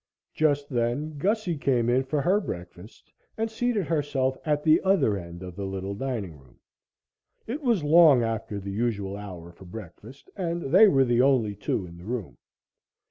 Just then Gussie came in for her breakfast and seated herself at the other end of the little dining room. It was long after the usual hour for breakfast, and they were the only two in the room.